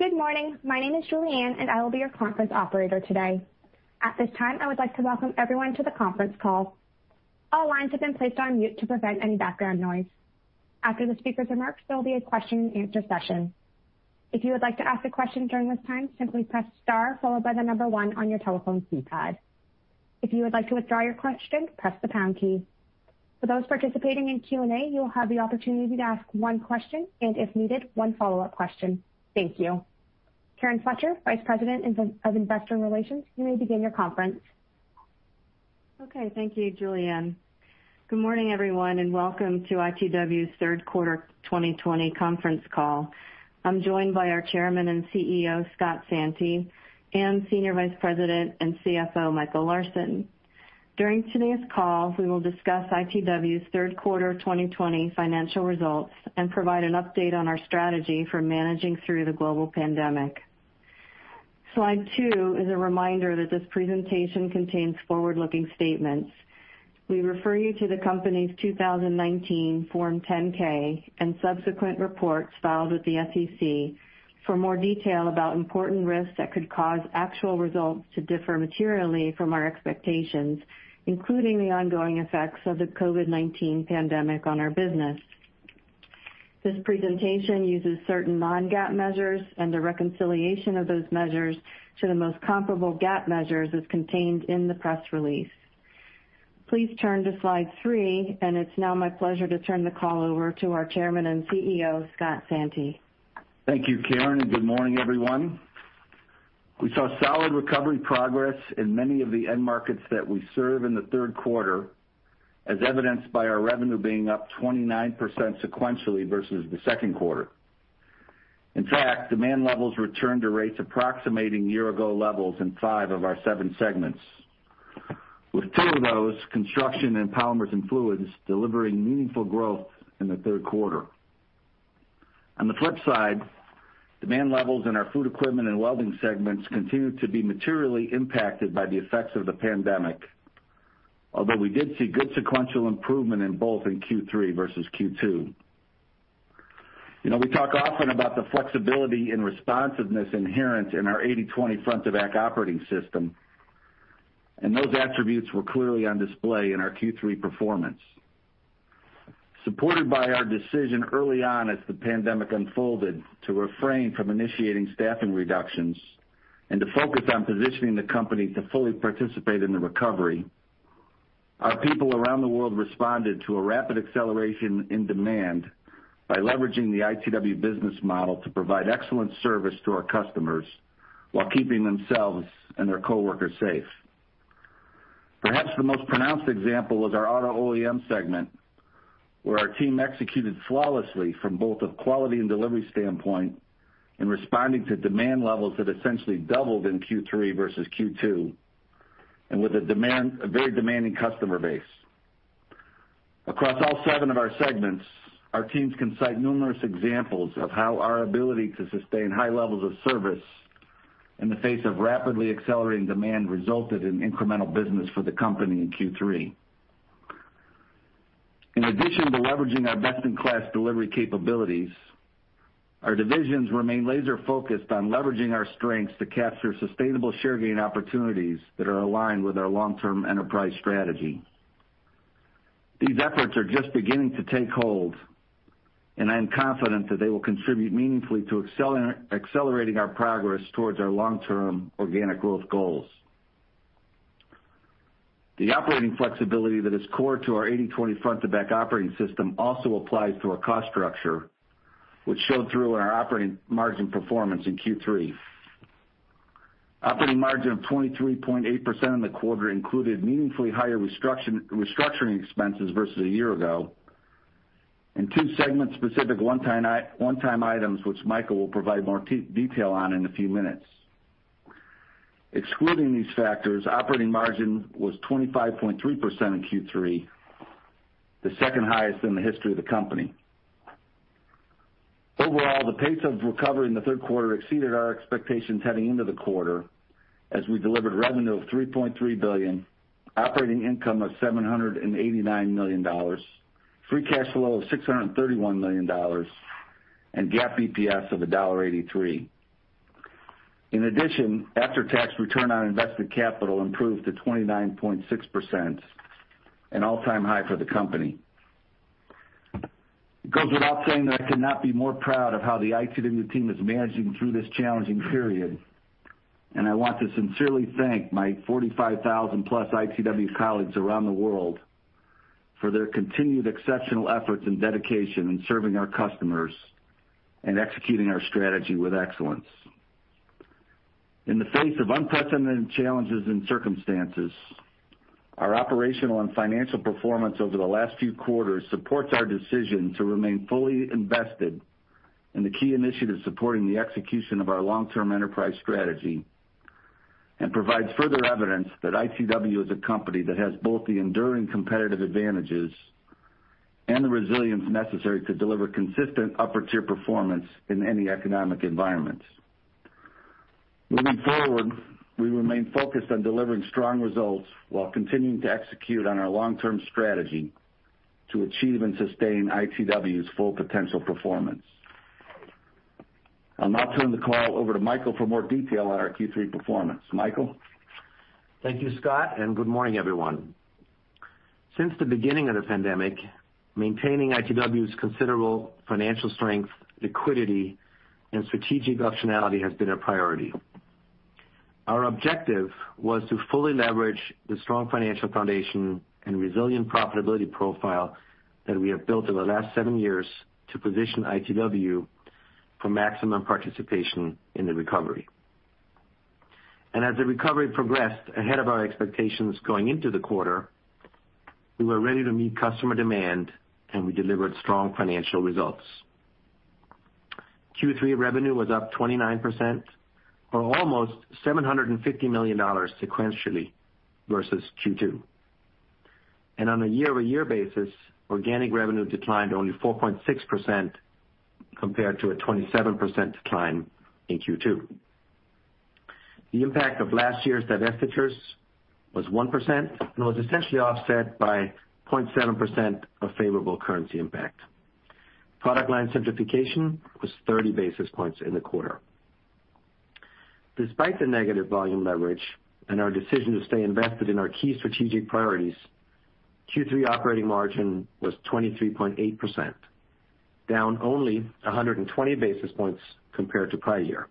Good morning. My name is Julian, and I will be your conference operator today. At this time, I would like to welcome everyone to the conference call. All lines have been placed on mute to prevent any background noise. After the speakers are marked, there will be a question-and-answer session. If you would like to ask a question during this time, simply press star followed by the number one on your telephone's keypad. If you would like to withdraw your question, press the pound key. For those participating in Q&A, you will have the opportunity to ask one question and, if needed, one follow-up question. Thank you. Karen Fletcher, Vice President of Investor Relations, you may begin your conference. Okay. Thank you, Julian. Good morning, everyone, and welcome to ITW's third quarter 2020 conference call. I'm joined by our Chairman and CEO, Scott Santi, and Senior Vice President and CFO, Michael Larsen. During today's call, we will discuss ITW's third quarter 2020 financial results and provide an update on our strategy for managing through the global pandemic. Slide 2 is a reminder that this presentation contains forward-looking statements. We refer you to the company's 2019 Form 10-K and subsequent reports filed with the SEC for more detail about important risks that could cause actual results to differ materially from our expectations, including the ongoing effects of the COVID-19 pandemic on our business. This presentation uses certain non-GAAP measures, and the reconciliation of those measures to the most comparable GAAP measures is contained in the press release. Please turn to Slide 3, and it's now my pleasure to turn the call over to our Chairman and CEO, Scott Santi. Thank you, Karen, and good morning, everyone. We saw solid recovery progress in many of the end markets that we serve in the third quarter, as evidenced by our revenue being up 29% sequentially versus the second quarter. In fact, demand levels returned to rates approximating year-ago levels in five of our seven segments, with two of those, construction and polymers and fluids, delivering meaningful growth in the third quarter. On the flip side, demand levels in our food equipment and welding segments continue to be materially impacted by the effects of the pandemic, although we did see good sequential improvement in both in Q3 versus Q2. We talk often about the flexibility and responsiveness inherent in our 80/20 front-to-back operating system, and those attributes were clearly on display in our Q3 performance. Supported by our decision early on as the pandemic unfolded to refrain from initiating staffing reductions and to focus on positioning the company to fully participate in the recovery, our people around the world responded to a rapid acceleration in demand by leveraging the ITW business model to provide excellent service to our customers while keeping themselves and their coworkers safe. Perhaps the most pronounced example was our auto OEM segment, where our team executed flawlessly from both a quality and delivery standpoint in responding to demand levels that essentially doubled in Q3 versus Q2, and with a very demanding customer base. Across all seven of our segments, our teams can cite numerous examples of how our ability to sustain high levels of service in the face of rapidly accelerating demand resulted in incremental business for the company in Q3. In addition to leveraging our best-in-class delivery capabilities, our divisions remain laser-focused on leveraging our strengths to capture sustainable share gain opportunities that are aligned with our long-term enterprise strategy. These efforts are just beginning to take hold, and I am confident that they will contribute meaningfully to accelerating our progress towards our long-term organic growth goals. The operating flexibility that is core to our 80/20 front-to-back operating system also applies to our cost structure, which showed through in our operating margin performance in Q3. Operating margin of 23.8% in the quarter included meaningfully higher restructuring expenses versus a year ago, and two segment-specific one-time items, which Michael will provide more detail on in a few minutes. Excluding these factors, operating margin was 25.3% in Q3, the second highest in the history of the company. Overall, the pace of recovery in the third quarter exceeded our expectations heading into the quarter, as we delivered revenue of $3.3 billion, operating income of $789 million, free cash flow of $631 million, and GAAP EPS of $1.83. In addition, after-tax return on invested capital improved to 29.6%, an all-time high for the company. It goes without saying that I could not be more proud of how the ITW team is managing through this challenging period, and I want to sincerely thank my 45,000-plus ITW colleagues around the world for their continued exceptional efforts and dedication in serving our customers and executing our strategy with excellence. In the face of unprecedented challenges and circumstances, our operational and financial performance over the last few quarters supports our decision to remain fully invested in the key initiatives supporting the execution of our long-term enterprise strategy and provides further evidence that ITW is a company that has both the enduring competitive advantages and the resilience necessary to deliver consistent upper-tier performance in any economic environment. Moving forward, we remain focused on delivering strong results while continuing to execute on our long-term strategy to achieve and sustain ITW's full potential performance. I'll now turn the call over to Michael for more detail on our Q3 performance. Michael? Thank you, Scott, and good morning, everyone. Since the beginning of the pandemic, maintaining ITW's considerable financial strength, liquidity, and strategic optionality has been a priority. Our objective was to fully leverage the strong financial foundation and resilient profitability profile that we have built over the last seven years to position ITW for maximum participation in the recovery. As the recovery progressed ahead of our expectations going into the quarter, we were ready to meet customer demand, and we delivered strong financial results. Q3 revenue was up 29%, or almost $750 million sequentially versus Q2. On a year-over-year basis, organic revenue declined only 4.6% compared to a 27% decline in Q2. The impact of last year's divestitures was 1% and was essentially offset by 0.7% of favorable currency impact. Product line certification was 30 basis points in the quarter. Despite the negative volume leverage and our decision to stay invested in our key strategic priorities, Q3 operating margin was 23.8%, down only 120 basis points compared to prior year.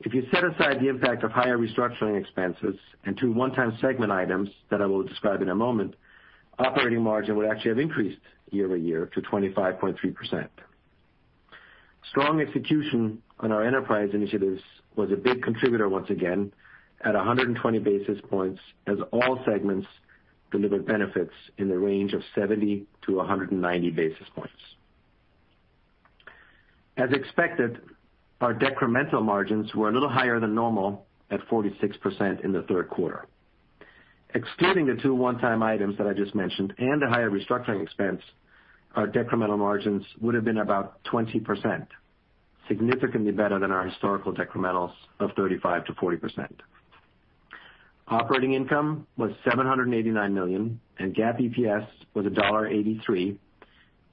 If you set aside the impact of higher restructuring expenses and two one-time segment items that I will describe in a moment, operating margin would actually have increased year-over-year to 25.3%. Strong execution on our enterprise initiatives was a big contributor once again at 120 basis points, as all segments delivered benefits in the range of 70-190 basis points. As expected, our decremental margins were a little higher than normal at 46% in the third quarter. Excluding the two one-time items that I just mentioned and the higher restructuring expense, our decremental margins would have been about 20%, significantly better than our historical decrementals of 35%-40%. Operating income was $789 million, and GAAP EPS was $1.83,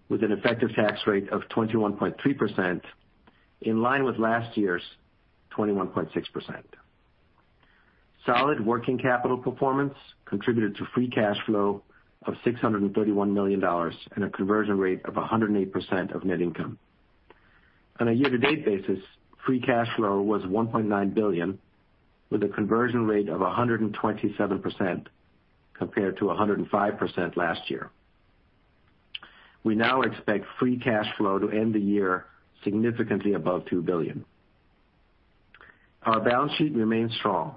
with an effective tax rate of 21.3%, in line with last year's 21.6%. Solid working capital performance contributed to free cash flow of $631 million and a conversion rate of 108% of net income. On a year-to-date basis, free cash flow was $1.9 billion, with a conversion rate of 127% compared to 105% last year. We now expect free cash flow to end the year significantly above $2 billion. Our balance sheet remains strong.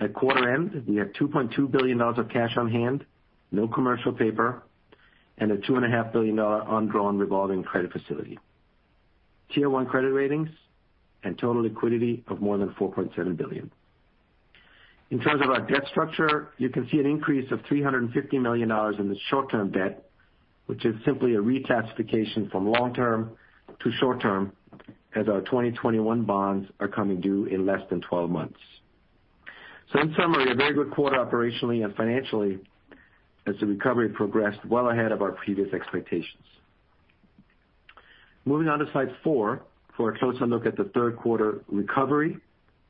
At quarter end, we had $2.2 billion of cash on hand, no commercial paper, and a $2.5 billion undrawn revolving credit facility, tier-one credit ratings, and total liquidity of more than $4.7 billion. In terms of our debt structure, you can see an increase of $350 million in the short-term debt, which is simply a reclassification from long-term to short-term, as our 2021 bonds are coming due in less than 12 months. In summary, a very good quarter operationally and financially as the recovery progressed well ahead of our previous expectations. Moving on to Slide 4 for a closer look at the third quarter recovery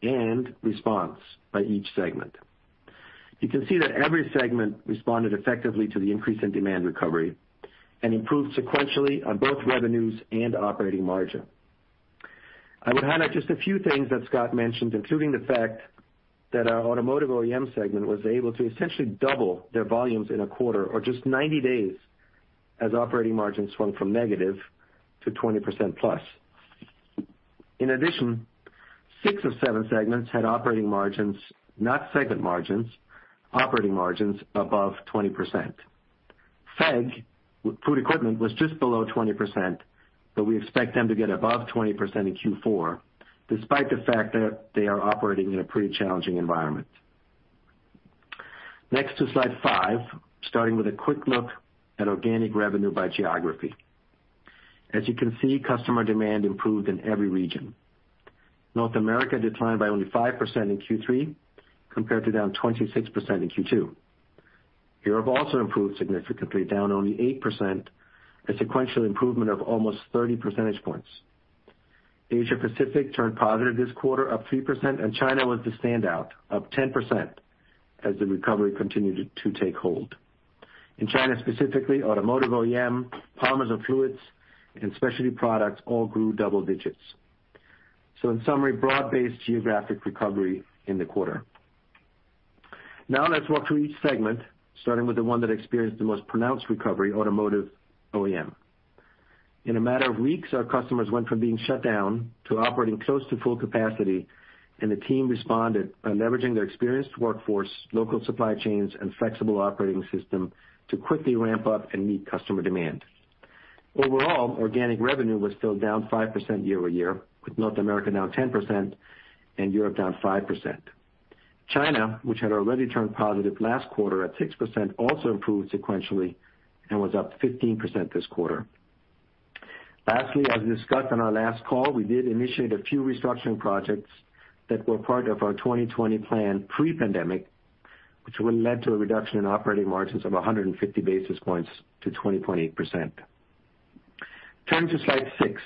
and response by each segment. You can see that every segment responded effectively to the increase in demand recovery and improved sequentially on both revenues and operating margin. I would highlight just a few things that Scott mentioned, including the fact that our automotive OEM segment was able to essentially double their volumes in a quarter, or just 90 days, as operating margins swung from negative to 20%+. In addition, six of seven segments had operating margins, not segment margins, operating margins above 20%. FEG, food equipment, was just below 20%, but we expect them to get above 20% in Q4, despite the fact that they are operating in a pretty challenging environment. Next to Slide 5, starting with a quick look at organic revenue by geography. As you can see, customer demand improved in every region. North America declined by only 5% in Q3 compared to down 26% in Q2. Europe also improved significantly, down only 8%, a sequential improvement of almost 30 percentage points. Asia-Pacific turned positive this quarter, up 3%, and China was the standout, up 10%, as the recovery continued to take hold. In China specifically, automotive OEM, polymers and fluids, and specialty products all grew double digits. In summary, broad-based geographic recovery in the quarter. Now let's walk through each segment, starting with the one that experienced the most pronounced recovery, automotive OEM. In a matter of weeks, our customers went from being shut down to operating close to full capacity, and the team responded by leveraging their experienced workforce, local supply chains, and flexible operating system to quickly ramp up and meet customer demand. Overall, organic revenue was still down 5% year-over-year, with North America down 10% and Europe down 5%. China, which had already turned positive last quarter at 6%, also improved sequentially and was up 15% this quarter. Lastly, as discussed on our last call, we did initiate a few restructuring projects that were part of our 2020 plan pre-pandemic, which led to a reduction in operating margins of 150 basis points to 20.8%. Turning to Slide 6.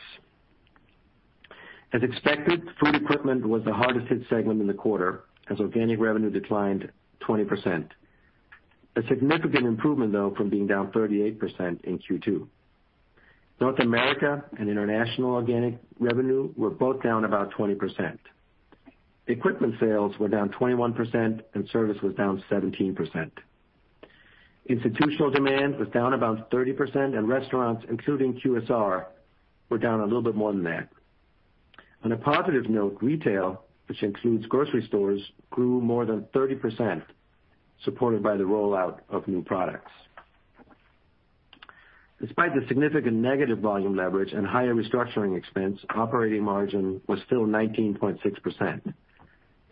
As expected, food equipment was the hardest-hit segment in the quarter, as organic revenue declined 20%. A significant improvement, though, from being down 38% in Q2. North America and international organic revenue were both down about 20%. Equipment sales were down 21%, and service was down 17%. Institutional demand was down about 30%, and restaurants, including QSR, were down a little bit more than that. On a positive note, retail, which includes grocery stores, grew more than 30%, supported by the rollout of new products. Despite the significant negative volume leverage and higher restructuring expense, operating margin was still 19.6%.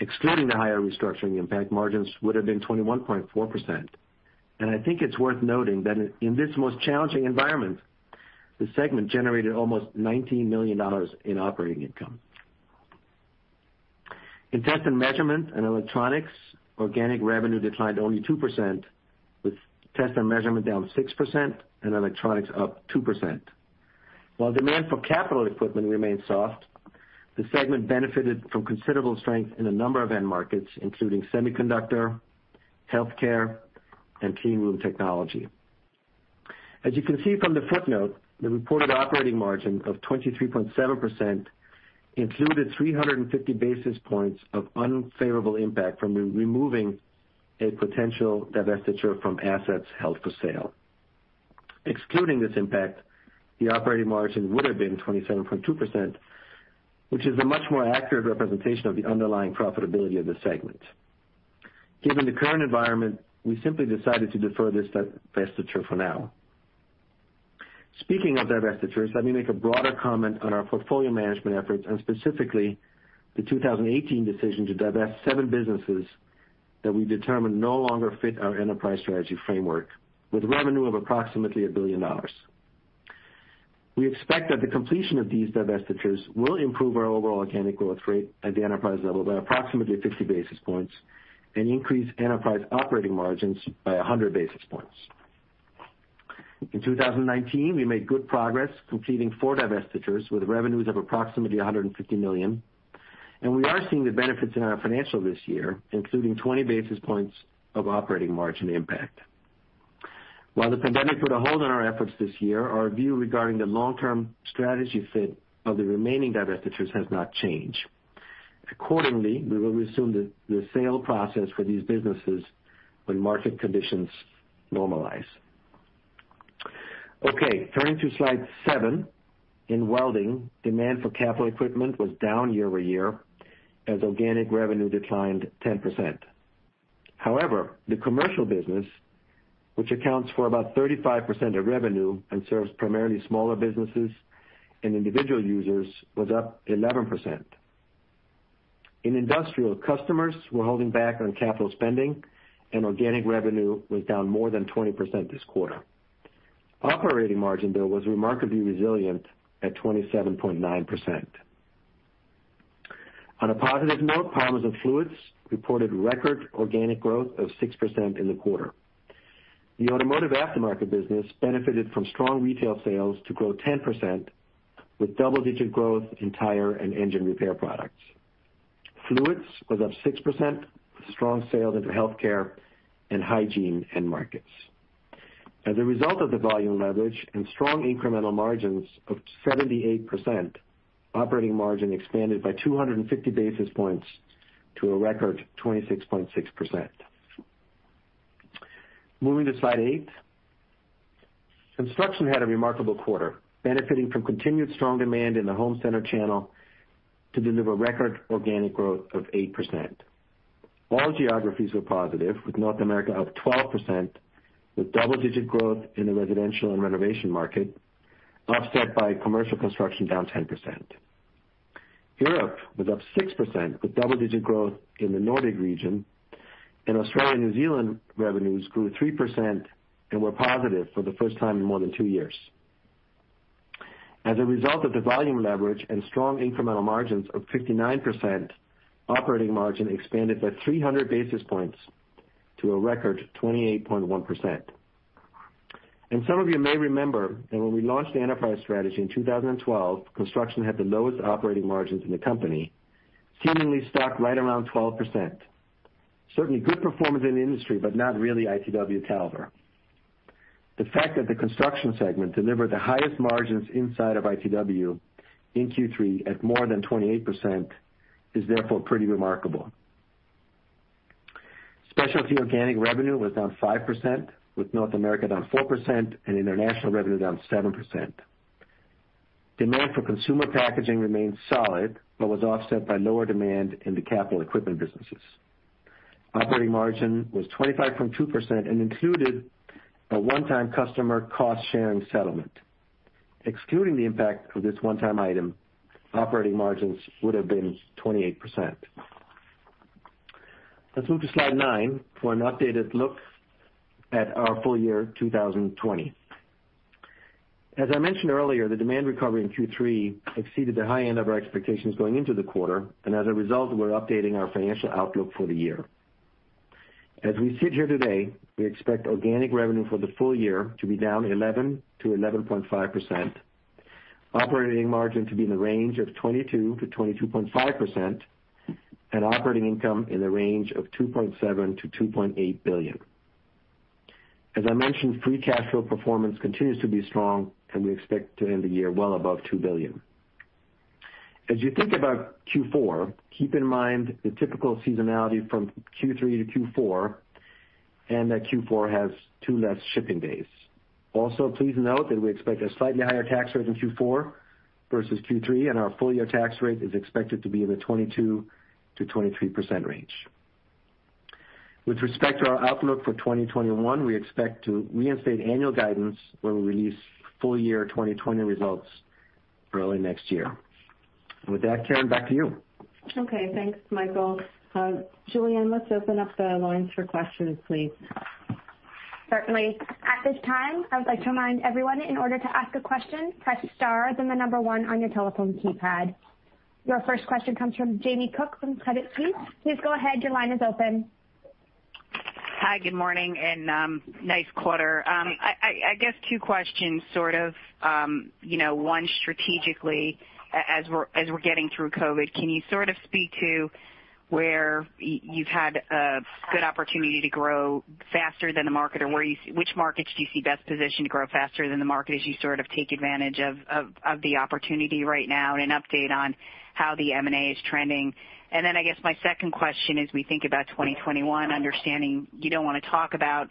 Excluding the higher restructuring impact, margins would have been 21.4%. I think it is worth noting that in this most challenging environment, the segment generated almost $19 million in operating income. In test and measurement and electronics, organic revenue declined only 2%, with test and measurement down 6% and electronics up 2%. While demand for capital equipment remained soft, the segment benefited from considerable strength in a number of end markets, including semiconductor, healthcare, and clean room technology. As you can see from the footnote, the reported operating margin of 23.7% included 350 basis points of unfavorable impact from removing a potential divestiture from assets held for sale. Excluding this impact, the operating margin would have been 27.2%, which is a much more accurate representation of the underlying profitability of the segment. Given the current environment, we simply decided to defer this divestiture for now. Speaking of divestitures, let me make a broader comment on our portfolio management efforts and specifically the 2018 decision to divest seven businesses that we determined no longer fit our enterprise strategy framework, with revenue of approximately $1 billion. We expect that the completion of these divestitures will improve our overall organic growth rate at the enterprise level by approximately 50 basis points and increase enterprise operating margins by 100 basis points. In 2019, we made good progress completing four divestitures with revenues of approximately $150 million, and we are seeing the benefits in our financials this year, including 20 basis points of operating margin impact. While the pandemic put a hold on our efforts this year, our view regarding the long-term strategy fit of the remaining divestitures has not changed. Accordingly, we will resume the sale process for these businesses when market conditions normalize. Okay, turning to Slide 7. In welding, demand for capital equipment was down year-over-year as organic revenue declined 10%. However, the commercial business, which accounts for about 35% of revenue and serves primarily smaller businesses and individual users, was up 11%. In industrial, customers were holding back on capital spending, and organic revenue was down more than 20% this quarter. Operating margin, though, was remarkably resilient at 27.9%. On a positive note, polymers and fluids reported record organic growth of 6% in the quarter. The automotive aftermarket business benefited from strong retail sales to grow 10%, with double-digit growth in tire and engine repair products. Fluids was up 6%, with strong sales into healthcare and hygiene end markets. As a result of the volume leverage and strong incremental margins of 78%, operating margin expanded by 250 basis points to a record 26.6%. Moving to Slide 8. Construction had a remarkable quarter, benefiting from continued strong demand in the home center channel to deliver record organic growth of 8%. All geographies were positive, with North America up 12%, with double-digit growth in the residential and renovation market, offset by commercial construction down 10%. Europe was up 6%, with double-digit growth in the Nordic region, and Australia and New Zealand revenues grew 3% and were positive for the first time in more than two years. As a result of the volume leverage and strong incremental margins of 59%, operating margin expanded by 300 basis points to a record 28.1%. Some of you may remember that when we launched the enterprise strategy in 2012, construction had the lowest operating margins in the company, seemingly stuck right around 12%. Certainly good performance in the industry, but not really ITW caliber. The fact that the construction segment delivered the highest margins inside of ITW in Q3 at more than 28% is therefore pretty remarkable. Specialty organic revenue was down 5%, with North America down 4% and international revenue down 7%. Demand for consumer packaging remained solid but was offset by lower demand in the capital equipment businesses. Operating margin was 25.2% and included a one-time customer cost-sharing settlement. Excluding the impact of this one-time item, operating margins would have been 28%. Let's move to Slide 9 for an updated look at our full year, 2020. As I mentioned earlier, the demand recovery in Q3 exceeded the high end of our expectations going into the quarter, and as a result, we're updating our financial outlook for the year. As we sit here today, we expect organic revenue for the full year to be down 11%-11.5%, operating margin to be in the range of 22%-22.5%, and operating income in the range of $2.7 billion-$2.8 billion. As I mentioned, free cash flow performance continues to be strong, and we expect to end the year well above $2 billion. As you think about Q4, keep in mind the typical seasonality from Q3 to Q4 and that Q4 has two less shipping days. Also, please note that we expect a slightly higher tax rate in Q4 versus Q3, and our full-year tax rate is expected to be in the 22%-23% range. With respect to our outlook for 2021, we expect to reinstate annual guidance when we release full-year 2020 results early next year. With that, Karen, back to you. Okay, thanks, Michael. Julianne, let's open up the lines for questions, please. Certainly. At this time, I would like to remind everyone in order to ask a question, press star then the number one on your telephone keypad. Your first question comes from Jamie Cook from Credit Suisse. Please go ahead. Your line is open. Hi, good morning and nice quarter. I guess two questions, sort of one strategically as we're getting through COVID. Can you sort of speak to where you've had a good opportunity to grow faster than the market, or which markets do you see best positioned to grow faster than the market as you sort of take advantage of the opportunity right now and an update on how the M&A is trending? I guess my second question is we think about 2021, understanding you don't want to talk about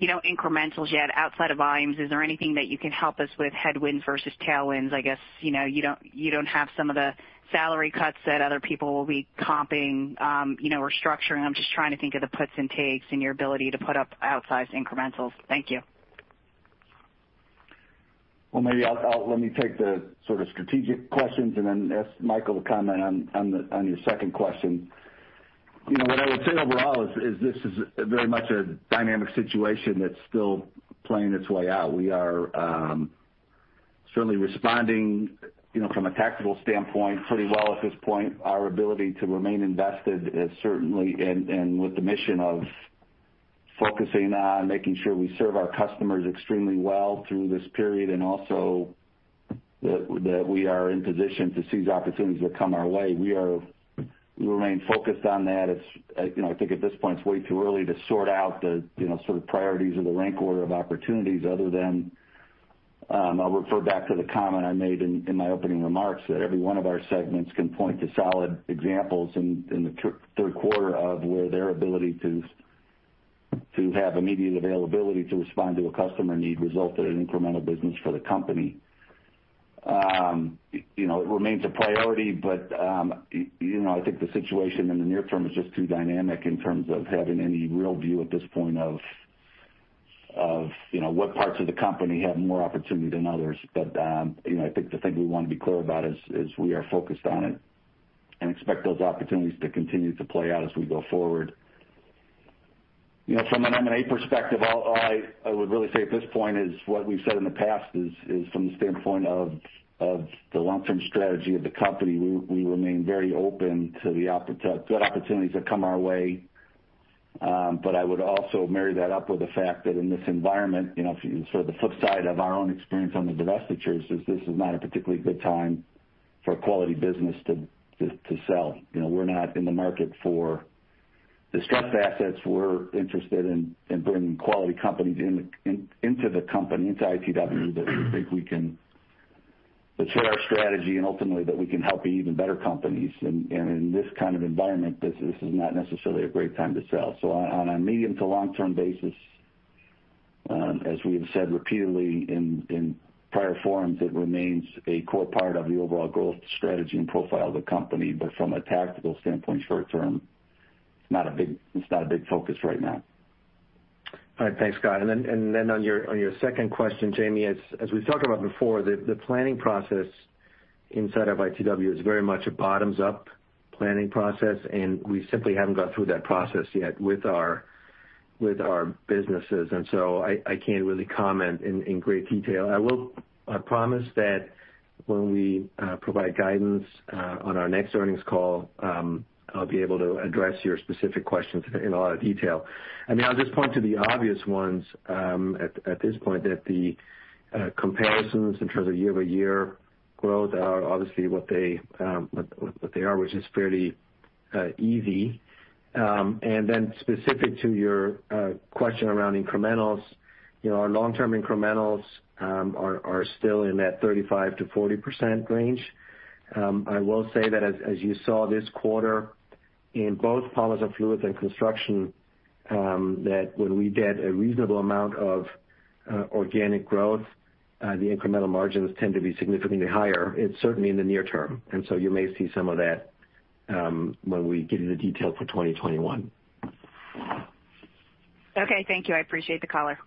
incrementals yet outside of volumes. Is there anything that you can help us with, headwinds versus tailwinds? I guess you do not have some of the salary cuts that other people will be comping or structuring. I am just trying to think of the puts and takes and your ability to put up outsized incrementals. Thank you. Maybe let me take the sort of strategic questions and then ask Michael to comment on your second question. What I would say overall is this is very much a dynamic situation that is still playing its way out. We are certainly responding from a tactical standpoint pretty well at this point. Our ability to remain invested is certainly and with the mission of focusing on making sure we serve our customers extremely well through this period and also that we are in position to seize opportunities that come our way. We remain focused on that. I think at this point, it's way too early to sort out the sort of priorities of the rank order of opportunities other than I'll refer back to the comment I made in my opening remarks that every one of our segments can point to solid examples in the third quarter of where their ability to have immediate availability to respond to a customer need resulted in incremental business for the company. It remains a priority, but I think the situation in the near term is just too dynamic in terms of having any real view at this point of what parts of the company have more opportunity than others. I think the thing we want to be clear about is we are focused on it and expect those opportunities to continue to play out as we go forward. From an M&A perspective, all I would really say at this point is what we've said in the past is from the standpoint of the long-term strategy of the company, we remain very open to the good opportunities that come our way. I would also marry that up with the fact that in this environment, for the flip side of our own experience on the divestitures, this is not a particularly good time for quality business to sell. We're not in the market for distressed assets. We're interested in bringing quality companies into the company, into ITW, that we think we can portray our strategy and ultimately that we can help be even better companies. In this kind of environment, this is not necessarily a great time to sell. On a medium to long-term basis, as we have said repeatedly in prior forums, it remains a core part of the overall growth strategy and profile of the company. From a tactical standpoint, short term, it's not a big focus right now. All right, thanks, Scott. On your second question, Jamie, as we've talked about before, the planning process inside of ITW is very much a bottoms-up planning process, and we simply haven't gone through that process yet with our businesses. I can't really comment in great detail. I promise that when we provide guidance on our next earnings call, I'll be able to address your specific questions in a lot of detail. I mean, I'll just point to the obvious ones at this point that the comparisons in terms of year-over-year growth are obviously what they are, which is fairly easy. Specific to your question around incrementals, our long-term incrementals are still in that 35%-40% range. I will say that as you saw this quarter in both Polymers and Fluids and Construction, when we get a reasonable amount of organic growth, the incremental margins tend to be significantly higher. It is certainly in the near term. You may see some of that when we get into detail for 2021. Okay, thank you. I appreciate the caller.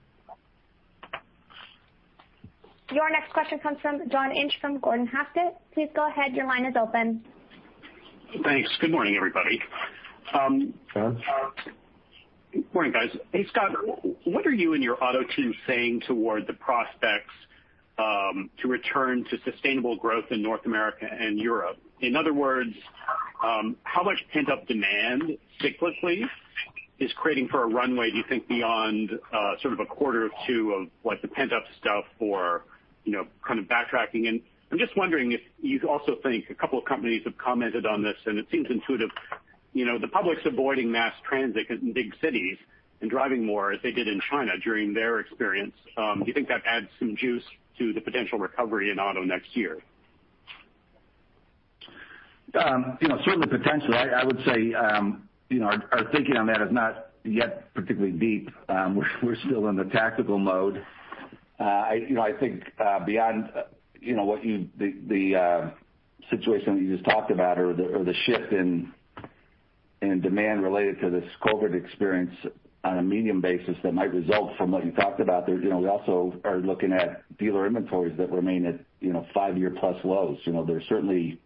Your next question comes from John Inch from Gordon Haskett. Please go ahead. Your line is open. Thanks. Good morning, everybody. Good morning, guys. Hey, Scott, what are you and your auto team saying toward the prospects to return to sustainable growth in North America and Europe? In other words, how much pent-up demand cyclically is creating for a runway, do you think, beyond sort of a quarter or two of the pent-up stuff or kind of backtracking? I am just wondering if you also think a couple of companies have commented on this, and it seems intuitive the public is avoiding mass transit in big cities and driving more as they did in China during their experience. Do you think that adds some juice to the potential recovery in auto next year? Certainly potentially. I would say our thinking on that is not yet particularly deep. We are still in the tactical mode. I think beyond what you the situation that you just talked about or the shift in demand related to this COVID experience on a medium basis that might result from what you talked about, we also are looking at dealer inventories that remain at five-year-plus lows. There's certainly,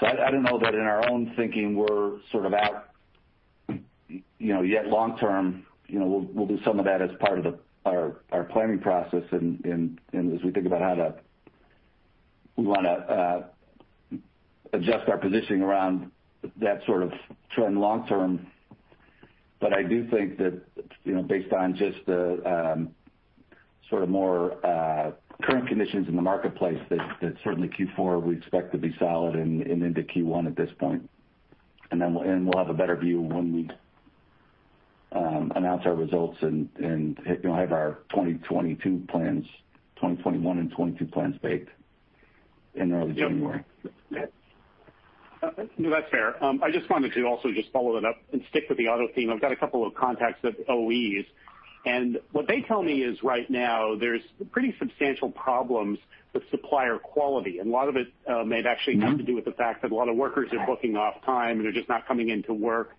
so I don't know that in our own thinking we're sort of out yet long-term. We'll do some of that as part of our planning process and as we think about how we want to adjust our positioning around that sort of trend long-term. I do think that based on just the sort of more current conditions in the marketplace, that certainly Q4 we expect to be solid and into Q1 at this point. We will have a better view when we announce our results and have our 2021 and 2022 plans baked in early January. No, that's fair. I just wanted to also just follow that up and stick with the auto team. I've got a couple of contacts at OEs. What they tell me is right now there's pretty substantial problems with supplier quality. A lot of it may actually have to do with the fact that a lot of workers are booking off time and they're just not coming into work.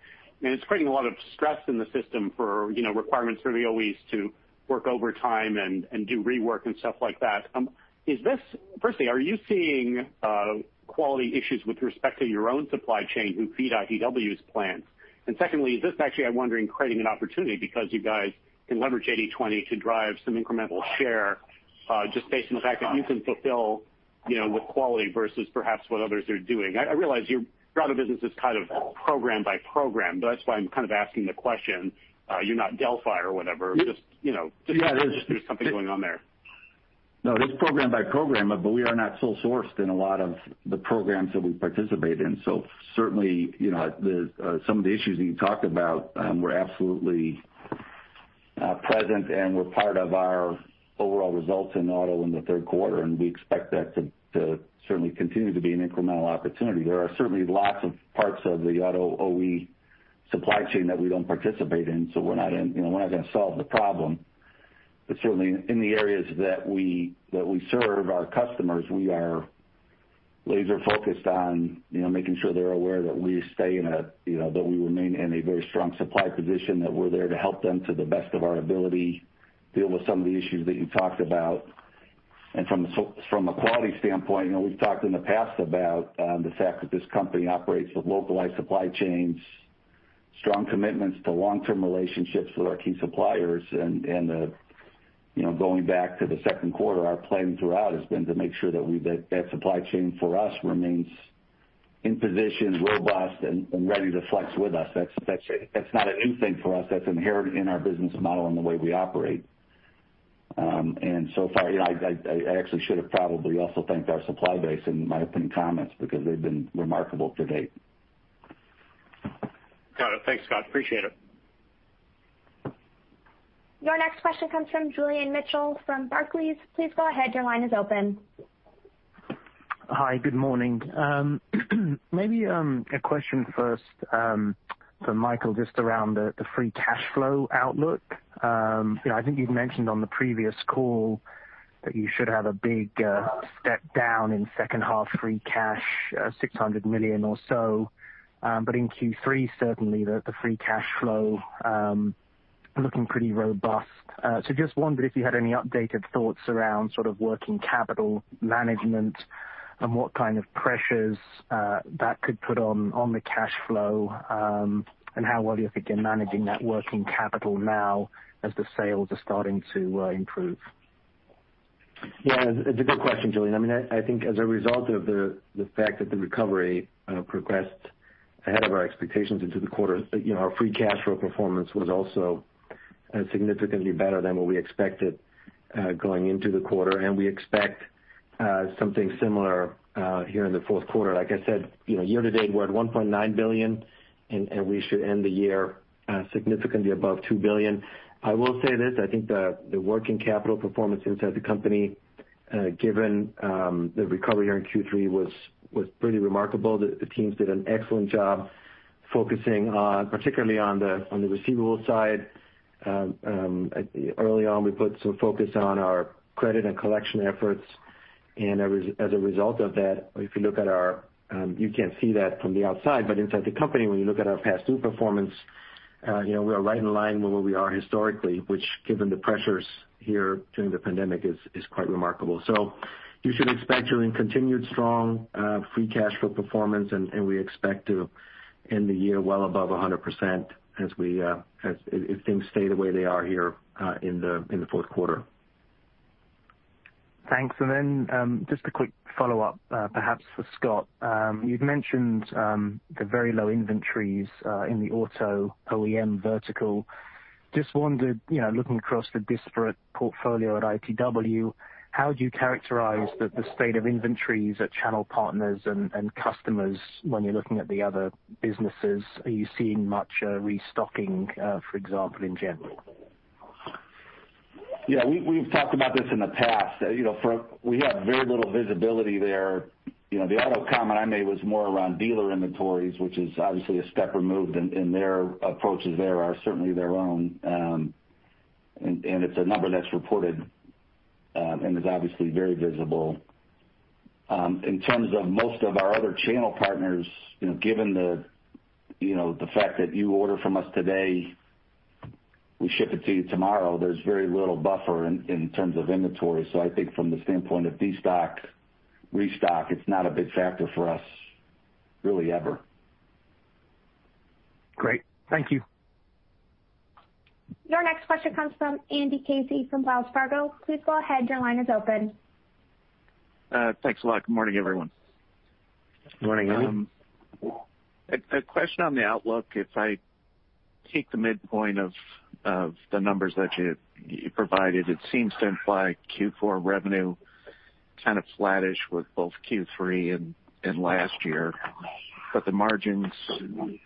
It's creating a lot of stress in the system for requirements for the OEs to work overtime and do rework and stuff like that. Firstly, are you seeing quality issues with respect to your own supply chain who feed ITW's plants? Secondly, is this actually, I'm wondering, creating an opportunity because you guys can leverage 80/20 to drive some incremental share just based on the fact that you can fulfill with quality versus perhaps what others are doing? I realize your auto business is kind of program by program, but that's why I'm kind of asking the question. You're not Delphi or whatever. Just there's something going on there. No, it's program by program, but we are not full-sourced in a lot of the programs that we participate in. Certainly, some of the issues that you talked about were absolutely present and were part of our overall results in auto in the third quarter, and we expect that to certainly continue to be an incremental opportunity. There are certainly lots of parts of the auto OE supply chain that we don't participate in, so we're not going to solve the problem. Certainly, in the areas that we serve our customers, we are laser-focused on making sure they're aware that we remain in a very strong supply position, that we're there to help them to the best of our ability, deal with some of the issues that you talked about. From a quality standpoint, we've talked in the past about the fact that this company operates with localized supply chains, strong commitments to long-term relationships with our key suppliers. Going back to the second quarter, our plan throughout has been to make sure that that supply chain for us remains in position, robust, and ready to flex with us. That's not a new thing for us. That's inherent in our business model and the way we operate. So far, I actually should have probably also thanked our supply base in my opening comments because they've been remarkable to date. Got it. Thanks, Scott. Appreciate it. Your next question comes from Julian Mitchell from Barclays. Please go ahead. Your line is open. Hi, good morning. Maybe a question first for Michael just around the free cash flow outlook. I think you'd mentioned on the previous call that you should have a big step down in second-half free cash, $600 million or so. In Q3, certainly, the free cash flow looking pretty robust. Just wondered if you had any updated thoughts around sort of working capital management and what kind of pressures that could put on the cash flow and how well you think you're managing that working capital now as the sales are starting to improve. Yeah, it's a good question, Julian. I mean, I think as a result of the fact that the recovery progressed ahead of our expectations into the quarter, our free cash flow performance was also significantly better than what we expected going into the quarter. We expect something similar here in the fourth quarter. Like I said, year to date, we're at $1.9 billion, and we should end the year significantly above $2 billion. I will say this. I think the working capital performance inside the company, given the recovery here in Q3, was pretty remarkable. The teams did an excellent job focusing particularly on the receivable side. Early on, we put some focus on our credit and collection efforts. As a result of that, if you look at our—you cannot see that from the outside, but inside the company, when you look at our past due performance, we are right in line with where we are historically, which, given the pressures here during the pandemic, is quite remarkable. You should expect to continue strong free cash flow performance, and we expect to end the year well above 100% if things stay the way they are here in the fourth quarter. Thanks. Just a quick follow-up, perhaps for Scott. You have mentioned the very low inventories in the auto OEM vertical. Just wondered, looking across the disparate portfolio at ITW, how do you characterize the state of inventories at channel partners and customers when you are looking at the other businesses? Are you seeing much restocking, for example, in general? Yeah, we've talked about this in the past. We have very little visibility there. The auto comment I made was more around dealer inventories, which is obviously a step removed, and their approaches there are certainly their own. It is a number that's reported and is obviously very visible. In terms of most of our other channel partners, given the fact that you order from us today, we ship it to you tomorrow, there's very little buffer in terms of inventory. I think from the standpoint of destock, restock, it's not a big factorfor us really ever. Great. Thank you. Your next question comes from Andy Casey from Wells Fargo. Please go ahead. Your line is open. Thanks a lot. Good morning, everyone. Good morning, Andy. A question on the outlook. If I take the midpoint of the numbers that you provided, it seems to imply Q4 revenue kind of flattish with both Q3 and last year. But the margins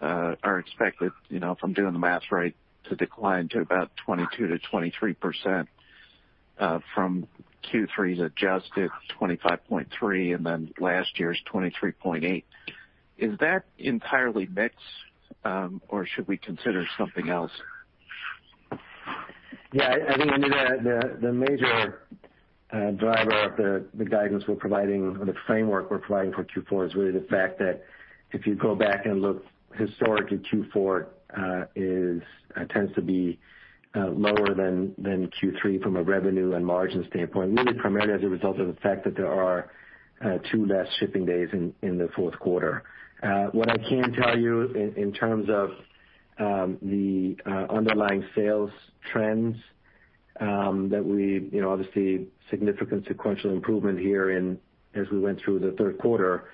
are expected, if I'm doing the math right, to decline to about 22%-23% from Q3's adjusted 25.3% and then last year's 23.8%. Is that entirely mixed, or should we consider something else? Yeah, I think the major driver of the guidance we're providing or the framework we're providing for Q4 is really the fact that if you go back and look historically, Q4 tends to be lower than Q3 from a revenue and margin standpoint, really primarily as a result of the fact that there are two less shipping days in the fourth quarter. What I can tell you in terms of the underlying sales trends is that we obviously saw significant sequential improvement here as we went through the third quarter.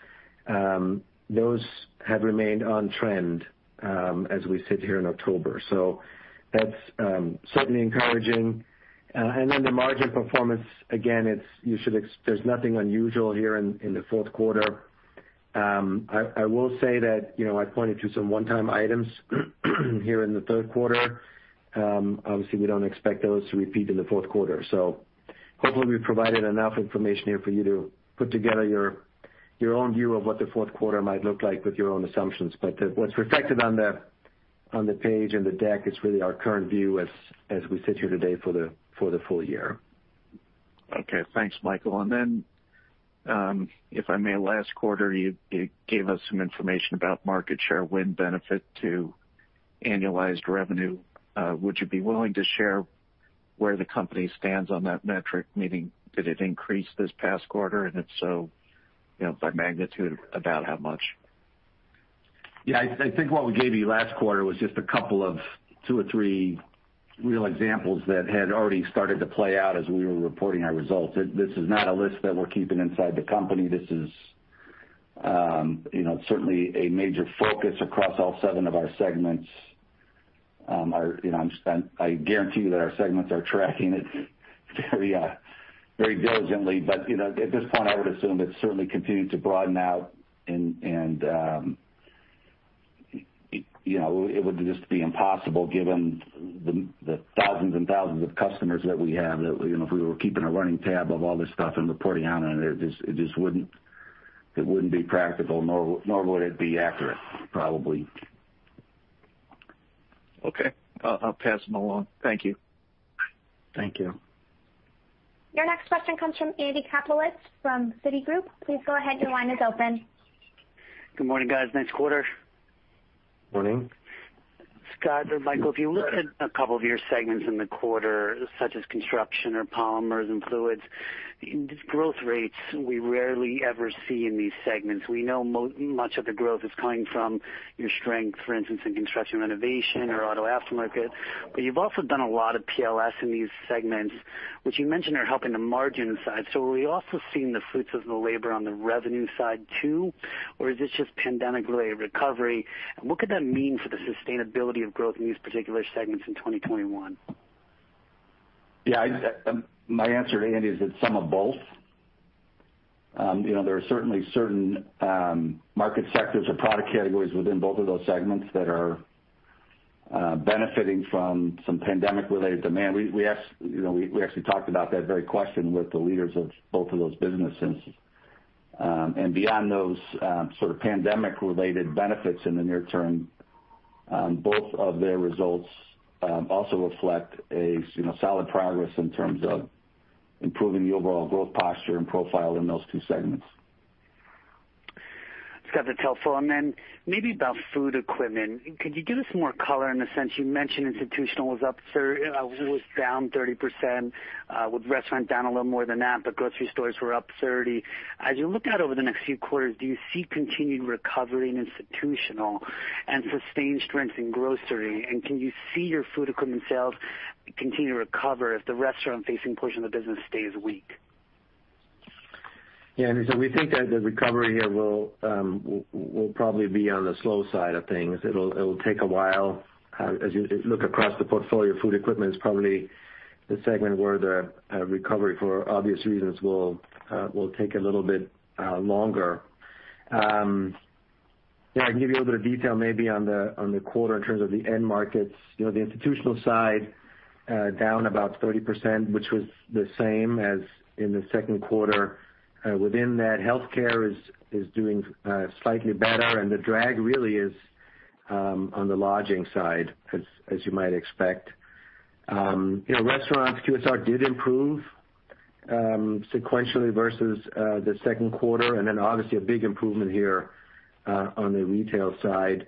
Those have remained on trend as we sit here in October. That is certainly encouraging. The margin performance, again, there is nothing unusual here in the fourth quarter. I will say that I pointed to some one-time items here in the third quarter. Obviously, we do not expect those to repeat in the fourth quarter. Hopefully, we have provided enough information here for you to put together your own view of what the fourth quarter might look like with your own assumptions. What is reflected on the page and the deck is really our current view as we sit here today for the full year. Okay. Thanks, Michael. If I may, last quarter, you gave us some information about market share win benefit to annualized revenue. Would you be willing to share where the company stands on that metric, meaning did it increase this past quarter? If so, by magnitude, about how much? I think what we gave you last quarter was just a couple of two or three real examples that had already started to play out as we were reporting our results. This is not a list that we're keeping inside the company. This is certainly a major focus across all seven of our segments. I guarantee you that our segments are tracking it very diligently. At this point, I would assume it's certainly continued to broaden out, and it would just be impossible given the thousands and thousands of customers that we have that if we were keeping a running tab of all this stuff and reporting on it, it just wouldn't be practical, nor would it be accurate, probably. Okay. I'll pass them along. Thank you. Thank you. Your next question comes from Andy Kaplowitz from Citigroup. Please go ahead. Your line is open. Good morning, guys. Next quarter. Morning. Scott, Michael, if you look at a couple of your segments in the quarter, such as construction or polymers and fluids, growth rates we rarely ever see in these segments. We know much of the growth is coming from your strength, for instance, in construction renovation or auto aftermarket. You've also done a lot of PLS in these segments, which you mentioned are helping the margin side. Are we also seeing the fruits of the labor on the revenue side too, or is this just pandemic-related recovery? What could that mean for the sustainability of growth in these particular segments in 2021? Yeah, my answer to Andy is it's some of both. There are certainly certain market sectors or product categories within both of those segments that are benefiting from some pandemic-related demand. We actually talked about that very question with the leaders of both of those businesses. Beyond those sort of pandemic-related benefits in the near term, both of their results also reflect solid progress in terms of improving the overall growth posture and profile in those two segments. Scott at Telefon, then maybe about food equipment. Could you give us more color in the sense you mentioned institutional was down 30%, with restaurants down a little more than that, but grocery stores were up 30%. As you look out over the next few quarters, do you see continued recovery in institutional and sustained strength in grocery? Can you see your food equipment sales continue to recover if the restaurant-facing portion of the business stays weak? Yeah, Andy, we think that the recovery here will probably be on the slow side of things. It'll take a while. As you look across the portfolio, food equipment is probably the segment where the recovery, for obvious reasons, will take a little bit longer. I can give you a little bit of detail maybe on the quarter in terms of the end markets. The institutional side down about 30%, which was the same as in the second quarter. Within that, healthcare is doing slightly better, and the drag really is on the lodging side, as you might expect. Restaurants, QSR did improve sequentially versus the second quarter, obviously a big improvement here on the retail side.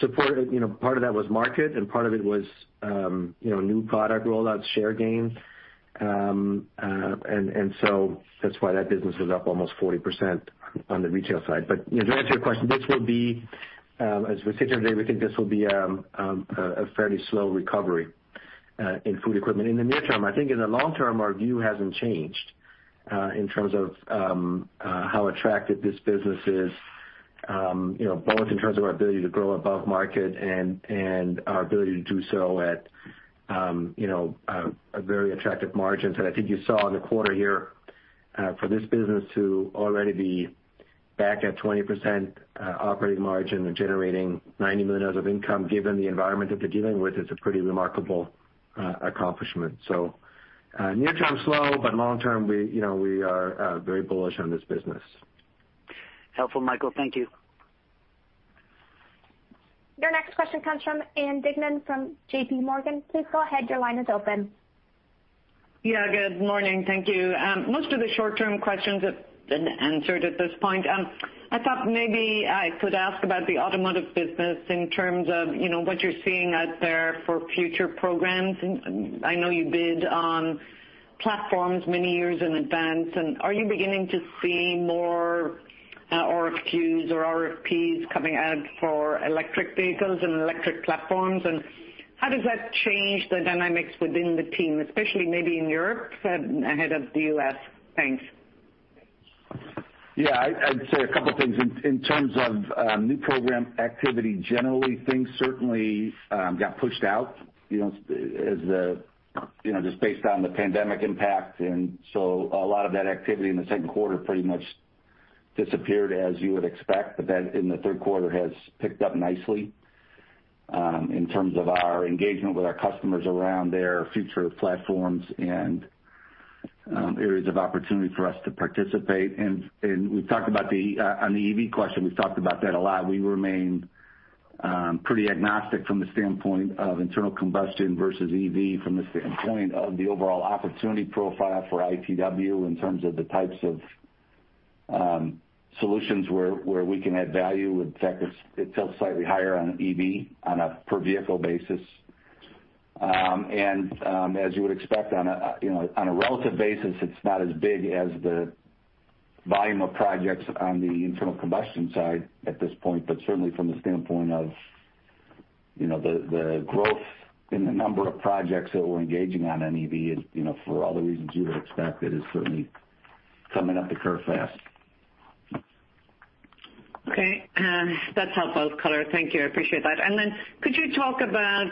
Support, part of that was market, and part of it was new product rollouts, share gains. That is why that business was up almost 40% on the retail side. To answer your question, this will be, as we sit here today, we think this will be a fairly slow recovery in food equipment in the near term. I think in the long term, our view hasn't changed in terms of how attractive this business is, both in terms of our ability to grow above market and our ability to do so at very attractive margins. I think you saw in the quarter here for this business to already be back at 20% operating margin and generating $90 million of income, given the environment that they're dealing with, it's a pretty remarkable accomplishment. Near-term slow, but long-term, we are very bullish on this business. Helpful, Michael. Thank you. Your next question comes from Ann Duignan from JPMorgan. Please go ahead. Your line is open. Yeah, good morning. Thank you. Most of the short-term questions have been answered at this point. I thought maybe I could ask about the automotive business in terms of what you're seeing out there for future programs. I know you bid on platforms many years in advance. Are you beginning to see more RFQs or RFPs coming out for electric vehicles and electric platforms? How does that change the dynamics within the team, especially maybe in Europe ahead of the U.S.? Thanks. Yeah, I'd say a couple of things in terms of new program activity generally. Things certainly got pushed out just based on the pandemic impact. A lot of that activity in the second quarter pretty much disappeared, as you would expect, but that in the third quarter has picked up nicely in terms of our engagement with our customers around their future platforms and areas of opportunity for us to participate. We've talked about the on the EV question, we've talked about that a lot. We remain pretty agnostic from the standpoint of internal combustion versus EV from the standpoint of the overall opportunity profile for ITW in terms of the types of solutions where we can add value. In fact, it's still slightly higher on EV on a per-vehicle basis. As you would expect, on a relative basis, it's not as big as the volume of projects on the internal combustion side at this point, but certainly from the standpoint of the growth in the number of projects that we're engaging on in EV, for all the reasons you would expect, it is certainly coming up the curve fast. Okay. That's helpful, Color. Thank you. I appreciate that. Could you talk about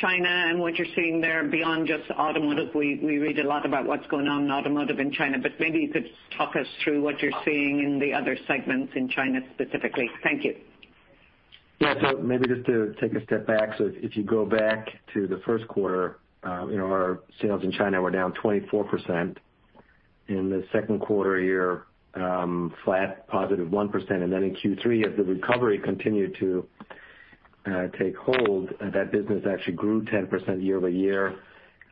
China and what you're seeing there beyond just automotive? We read a lot about what's going on in automotive in China, but maybe you could talk us through what you're seeing in the other segments in China specifically. Thank you. Yeah, maybe just to take a step back. If you go back to the first quarter, our sales in China were down 24%. In the second quarter, flat, +1%. In Q3, as the recovery continued to take hold, that business actually grew 10% year-over-year.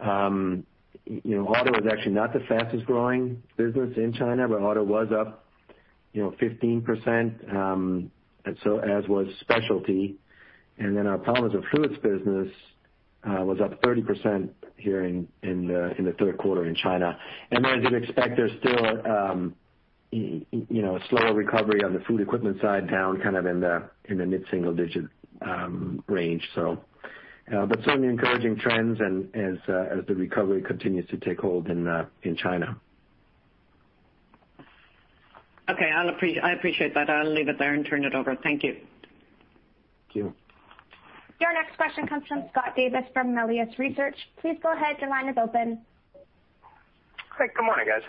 Auto is actually not the fastest-growing business in China, but auto was up 15%, as was specialty. Our polymers and fluids business was up 30% here in the third quarter in China. As you'd expect, there's still a slower recovery on the food equipment side, down kind of in the mid-single-digit range. But certainly encouraging trends as the recovery continues to take hold in China. Okay. I appreciate that. I'll leave it there and turn it over. Thank you. Thank you. Your next question comes from Scott Davis from Melius Research. Please go ahead. Your line is open. Hey, good morning, guys.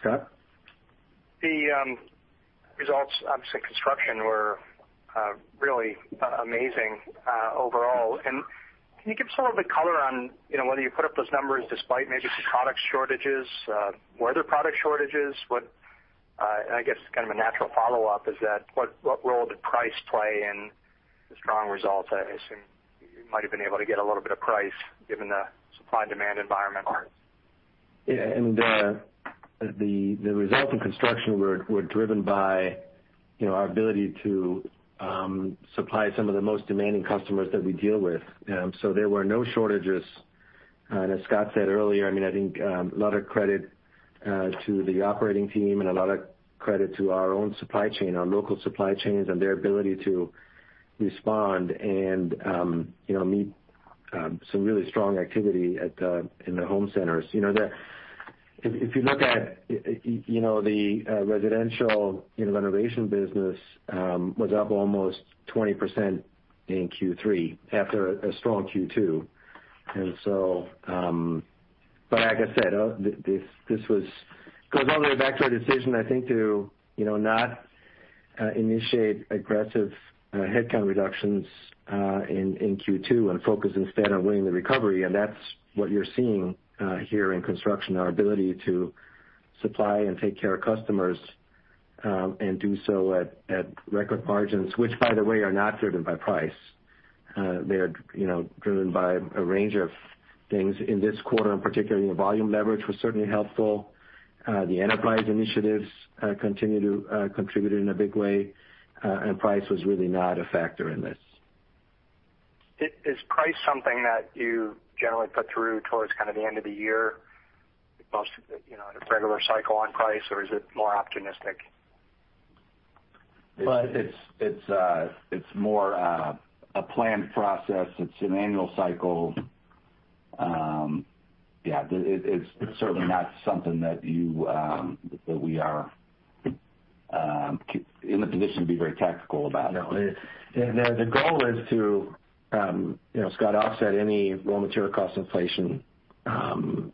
Scott? The results obviously in construction were really amazing overall. Can you give us a little bit of color on whether you put up those numbers despite maybe some product shortages, weather product shortages? I guess kind of a natural follow-up is that what role did price play in the strong results? I assume you might have been able to get a little bit of price given the supply-demand environment. Yeah. The results in construction were driven by our ability to supply some of the most demanding customers that we deal with. There were no shortages. As Scott said earlier, I mean, I think a lot of credit to the operating team and a lot of credit to our own supply chain, our local supply chains, and their ability to respond and meet some really strong activity in the home centers. If you look at the residential renovation business, it was up almost 20% in Q3 after a strong Q2. Like I said, this goes all the way back to our decision, I think, to not initiate aggressive headcount reductions in Q2 and focus instead on winning the recovery. That is what you are seeing here in construction, our ability to supply and take care of customers and do so at record margins, which, by the way, are not driven by price. They are driven by a range of things in this quarter, in particular. Volume leverage was certainly helpful. The enterprise initiatives continued to contribute in a big way, and price was really not a factor in this. Is price something that you generally put through towards kind of the end of the year, most regular cycle on price, or is it more optimistic? It's more a planned process. It's an annual cycle. Yeah, it's certainly not something that we are in the position to be very tactical about. No. And the goal is to, Scott, offset any raw material cost inflation, and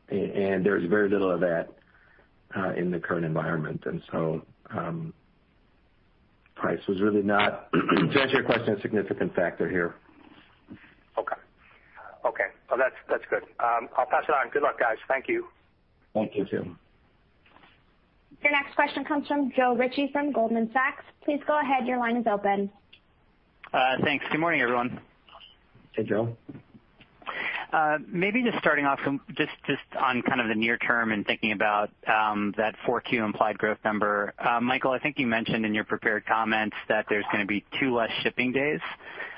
there's very little of that in the current environment. And so price was really not, to answer your question, a significant factor here. Okay. Okay. That's good. I'll pass it on. Good luck, guys. Thank you. Thank you. You too. Your next question comes from Joe Ritchie from Goldman Sachs. Please go ahead. Your line is open. Thanks. Good morning, everyone. Hey, Joe. Maybe just starting off just on kind of the near term and thinking about that Q4 implied growth number. Michael, I think you mentioned in your prepared comments that there's going to be two less shipping days.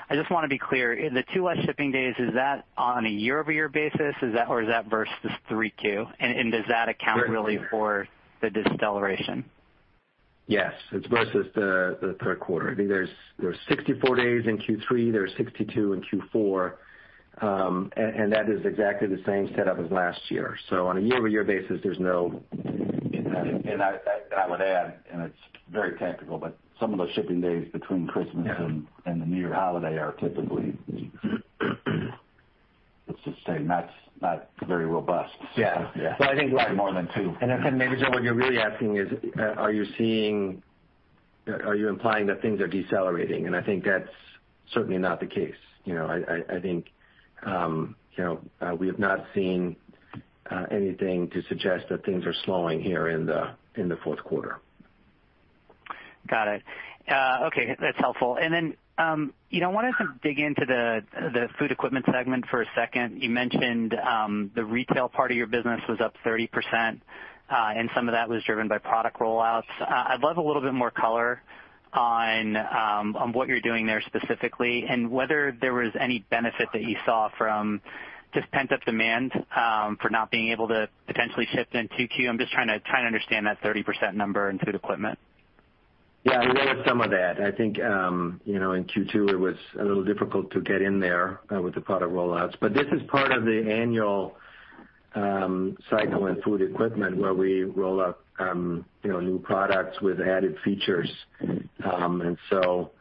I just want to be clear. The two less shipping days, is that on a year-over-year basis, or is that versus Q3? And does that account really for the deceleration? Yes. It's versus the third quarter. I think there's 64 days in Q3. There's 62 in Q4. That is exactly the same setup as last year. On a year-over-year basis, there's no—and I would add, and it's very tactical, but some of those shipping days between Christmas and the New Year holiday are typically, let's just say, not very robust. Yeah. Yeah. I think more than two. I think maybe what you're really asking is, are you seeing—are you implying that things are decelerating? I think that's certainly not the case. I think we have not seen anything to suggest that things are slowing here in the fourth quarter. Got it. Okay. That's helpful. I wanted to dig into the food equipment segment for a second. You mentioned the retail part of your business was up 30%, and some of that was driven by product rollouts. I'd love a little bit more color on what you're doing there specifically and whether there was any benefit that you saw from just pent-up demand for not being able to potentially shift into Q2. I'm just trying to understand that 30% number in food equipment. Yeah. We went with some of that. I think in Q2, it was a little difficult to get in there with the product rollouts. This is part of the annual cycle in food equipment where we roll out new products with added features. I also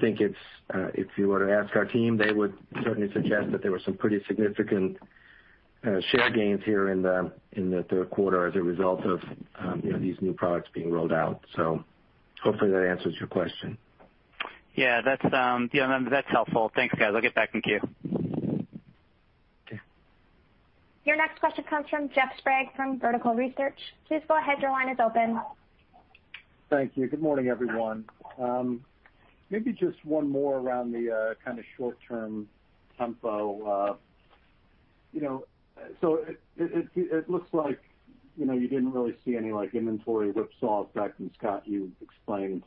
think if you were to ask our team, they would certainly suggest that there were some pretty significant share gains here in the third quarter as a result of these new products being rolled out. Hopefully, that answers your question. Yeah. Yeah. That's helpful. Thanks, guys. I'll get back in Q. Okay. Your next question comes from Jeff Sprague from Vertical Research. Please go ahead. Your line is open. Thank you. Good morning, everyone. Maybe just one more around the kind of short-term tempo. It looks like you did not really see any inventory whipsaw effect, and Scott, you explained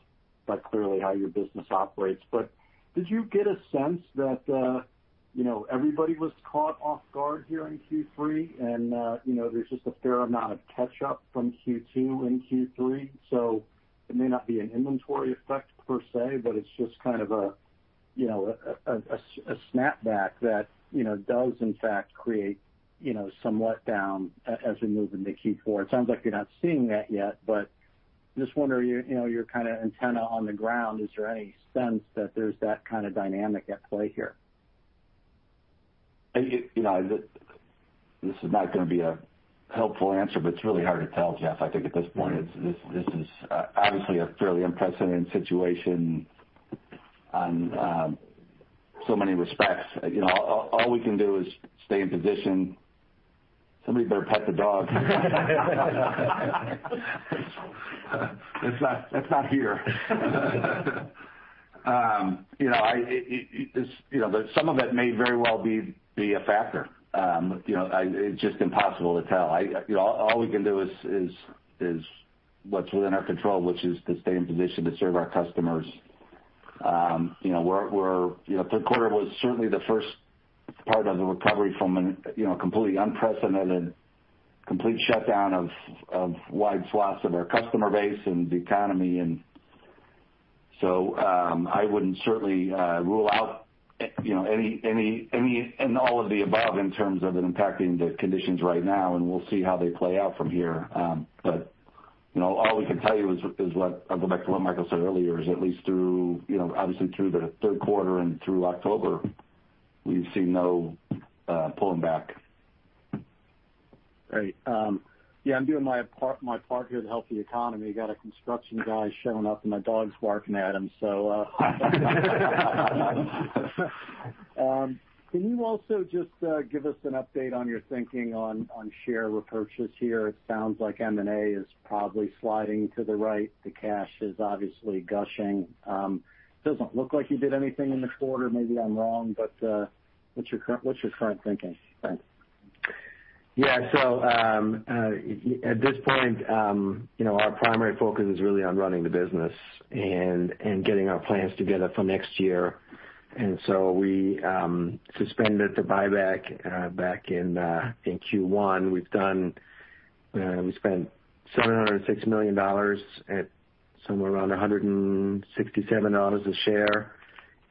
quite clearly how your business operates. Did you get a sense that everybody was caught off guard here in Q3, and there's just a fair amount of catch-up from Q2 in Q3? It may not be an inventory effect per se, but it's just kind of a snapback that does, in fact, create some letdown as we move into Q4. It sounds like you're not seeing that yet, but just wondering your kind of antenna on the ground, is there any sense that there's that kind of dynamic at play here? This is not going to be a helpful answer, but it's really hard to tell, Jeff. I think at this point, this is obviously a fairly unprecedented situation on so many respects. All we can do is stay in position. Somebody better pet the dog. It's not here. Some of it may very well be a factor. It's just impossible to tell. All we can do is what's within our control, which is to stay in position to serve our customers. Third quarter was certainly the first part of the recovery from a completely unprecedented complete shutdown of wide swaths of our customer base and the economy. I wouldn't certainly rule out any and all of the above in terms of it impacting the conditions right now, and we'll see how they play out from here. All we can tell you is what I'll go back to what Michael said earlier, is at least through, obviously, through the third quarter and through October, we've seen no pulling back. Great. Yeah. I'm doing my part here to help the economy. I got a construction guy showing up, and my dog's barking at him, so. Can you also just give us an update on your thinking on share repurchase here? It sounds like M&A is probably sliding to the right. The cash is obviously gushing. It doesn't look like you did anything in the quarter. Maybe I'm wrong, but what's your current thinking? Thanks. Yeah. At this point, our primary focus is really on running the business and getting our plans together for next year. We suspended the buyback back in Q1. We spent $706 million at somewhere around $167 a share,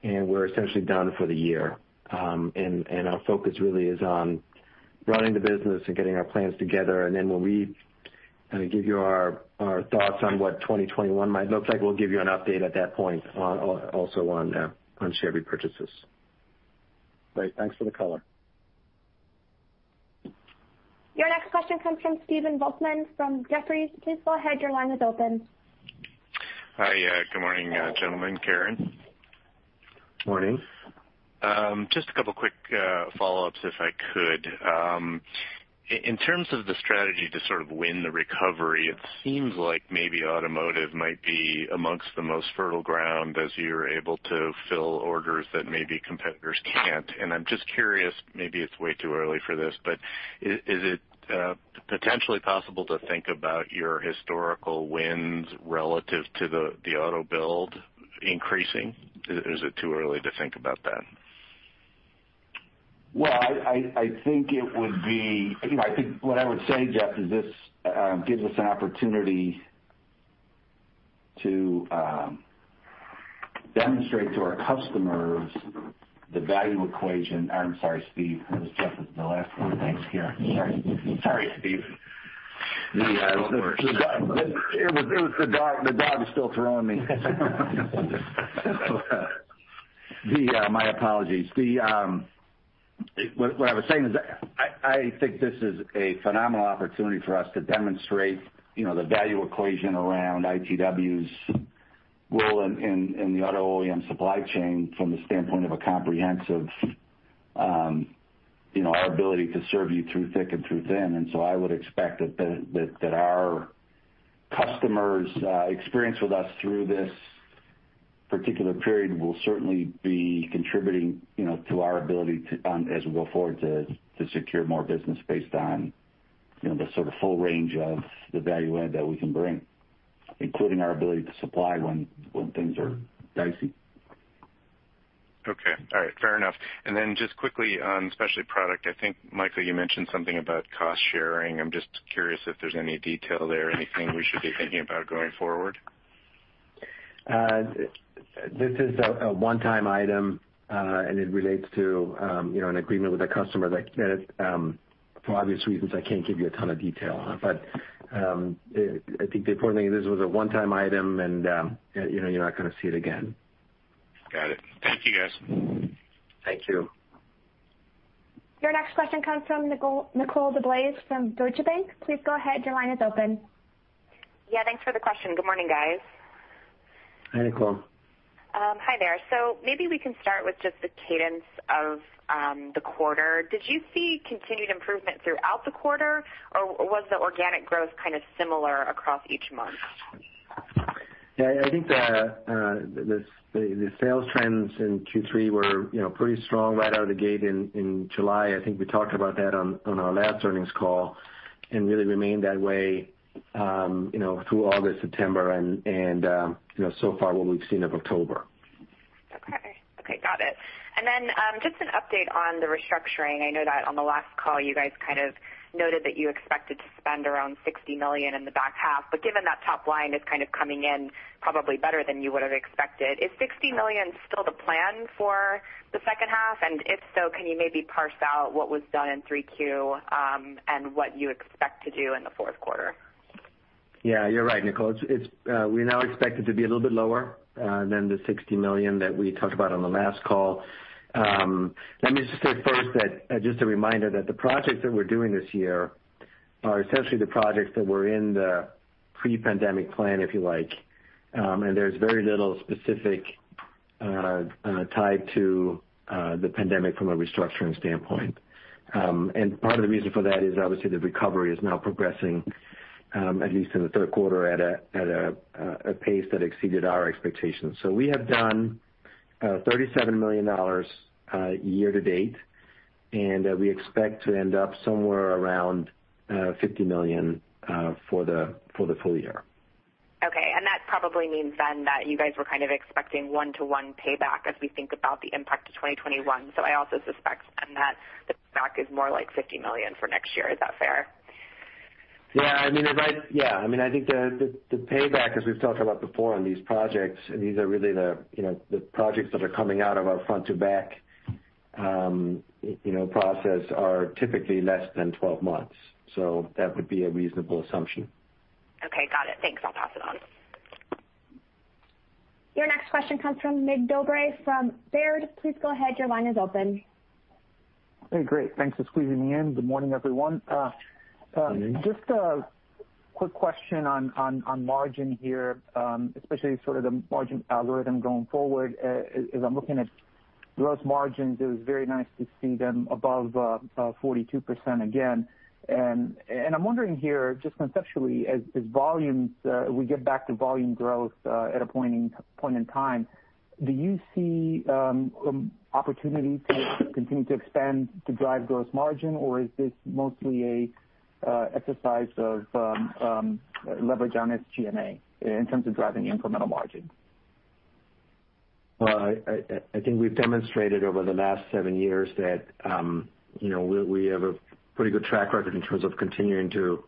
and we're essentially done for the year. Our focus really is on running the business and getting our plans together. When we kind of give you our thoughts on what 2021 might look like, we'll give you an update at that point also on share repurchases. Great. Thanks for the color. Your next question comes from Stephen Volkmann from Jefferies. Please go ahead. Your line is open. Hi. Good morning, gentlemen. Karen. Morning. Just a couple of quick follow-ups, if I could. In terms of the strategy to sort of win the recovery, it seems like maybe automotive might be amongst the most fertile ground as you're able to fill orders that maybe competitors can't. I'm just curious, maybe it's way too early for this, but is it potentially possible to think about your historical wins relative to the auto build increasing? Is it too early to think about that? I think what I would say, Jeff, is this gives us an opportunity to demonstrate to our customers the value equation. I'm sorry, Steve. That was Jeff's last word. Thanks, Karen. Sorry. Sorry, Steve. It was the dog. The dog is still throwing me. My apologies. What I was saying is I think this is a phenomenal opportunity for us to demonstrate the value equation around ITW's role in the auto OEM supply chain from the standpoint of a comprehensive our ability to serve you through thick and through thin. I would expect that our customers' experience with us through this particular period will certainly be contributing to our ability as we go forward to secure more business based on the sort of full range of the value add that we can bring, including our ability to supply when things are dicey. Okay. All right. Fair enough. Just quickly on specialty product, I think, Michael, you mentioned something about cost sharing. I'm just curious if there's any detail there, anything we should be thinking about going forward. This is a one-time item, and it relates to an agreement with a customer that, for obvious reasons, I can't give you a ton of detail on. I think the important thing is this was a one-time item, and you're not going to see it again. Got it. Thank you, guys. Thank you. Your next question comes from Nicole DeBlase from Deutsche Bank. Please go ahead. Your line is open. Yeah. Thanks for the question. Good morning, guys. Hi, Nicole. Hi there. Maybe we can start with just the cadence of the quarter. Did you see continued improvement throughout the quarter, or was the organic growth kind of similar across each month? Yeah. I think the sales trends in Q3 were pretty strong right out of the gate in July. I think we talked about that on our last earnings call and really remained that way through August, September, and so far what we've seen of October. Okay. Okay. Got it. Just an update on the restructuring. I know that on the last call, you guys kind of noted that you expected to spend around $60 million in the back half. Given that top line is kind of coming in probably better than you would have expected, is $60 million still the plan for the second half? If so, can you maybe parse out what was done in 3Q and what you expect to do in the fourth quarter? Yeah. You're right, Nicole. We now expect it to be a little bit lower than the $60 million that we talked about on the last call. Let me just say first that just a reminder that the projects that we're doing this year are essentially the projects that were in the pre-pandemic plan, if you like. There is very little specific tied to the pandemic from a restructuring standpoint. Part of the reason for that is, obviously, the recovery is now progressing, at least in the third quarter, at a pace that exceeded our expectations. We have done $37 million year to date, and we expect to end up somewhere around $50 million for the full year. Okay. That probably means then that you guys were kind of expecting one-to-one payback as we think about the impact of 2021. I also suspect then that the payback is more like $50 million for next year. Is that fair? Yeah. I mean, if I—yeah. I mean, I think the payback, as we've talked about before on these projects, and these are really the projects that are coming out of our front-to-back process, are typically less than 12 months. That would be a reasonable assumption. Okay. Got it. Thanks. I'll pass it on. Your next question comes from Mick Dobray from Baird. Please go ahead. Your line is open. Hey, great. Thanks for squeezing me in. Good morning, everyone. Good morning. Just a quick question on margin here, especially sort of the margin algorithm going forward. As I'm looking at gross margins, it was very nice to see them above 42% again. I'm wondering here, just conceptually, as volumes—we get back to volume growth at a point in time—do you see opportunity to continue to expand to drive gross margin, or is this mostly an exercise of leverage on SG&A in terms of driving the incremental margin? I think we've demonstrated over the last seven years that we have a pretty good track record in terms of continuing to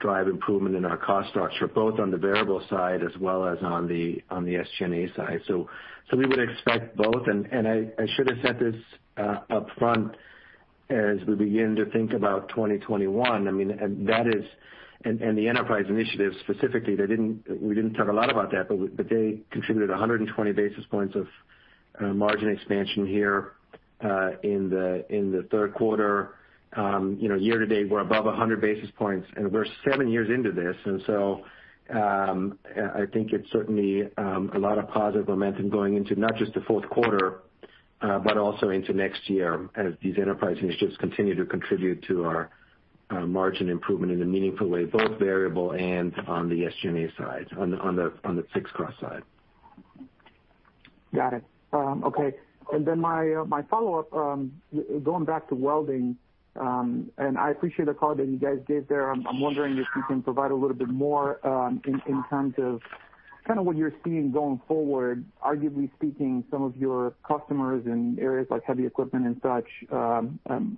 drive improvement in our cost structure, both on the variable side as well as on the SG&A side. We would expect both. I should have said this upfront as we begin to think about 2021. That is—and the enterprise initiatives specifically, we didn't talk a lot about that, but they contributed 120 basis points of margin expansion here in the third quarter. Year to date, we're above 100 basis points, and we're seven years into this. I think it's certainly a lot of positive momentum going into not just the fourth quarter, but also into next year as these enterprise initiatives continue to contribute to our margin improvement in a meaningful way, both variable and on the SG&A side, on the fixed cost side. Got it. Okay. My follow-up, going back to welding, and I appreciate the call that you guys gave there. I'm wondering if you can provide a little bit more in terms of kind of what you're seeing going forward. Arguably speaking, some of your customers in areas like heavy equipment and such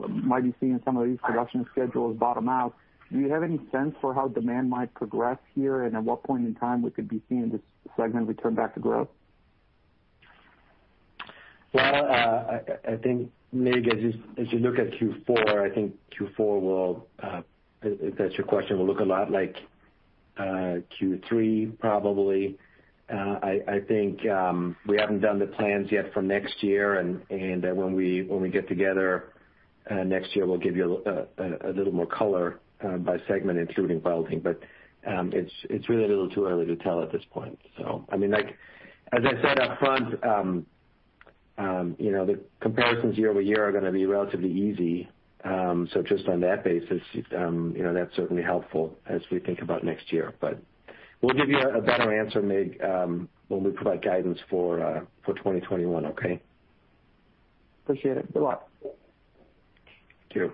might be seeing some of these production schedules bottom out. Do you have any sense for how demand might progress here and at what point in time we could be seeing this segment return back to growth? I think maybe as you look at Q4, I think Q4 will, if that's your question, look a lot like Q3, probably. I think we haven't done the plans yet for next year, and when we get together next year, we'll give you a little more color by segment, including welding. It's really a little too early to tell at this point. I mean, as I said upfront, the comparisons year over year are going to be relatively easy. Just on that basis, that's certainly helpful as we think about next year. We'll give you a better answer, Mick, when we provide guidance for 2021, okay? Appreciate it. Good luck. Thank you.